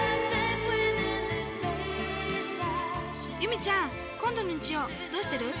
ゆみちゃん今度の日曜どうしてる？